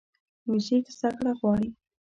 موزیک زدهکړه غواړي.